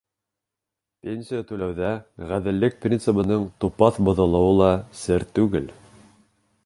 Пенсия түләүҙә ғәҙеллек принцибының тупаҫ боҙолоуы ла сер түгел.